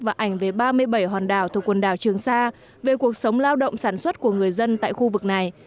và ảnh về ba mươi bảy hòn đảo thuộc quần đảo trường sa về cuộc sống lao động sản xuất của người dân tại khu vực này